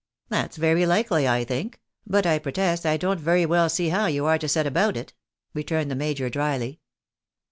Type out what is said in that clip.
" That's very likely, I think ; but I protest I don't very well see how you are to set about it," returned the major, drily.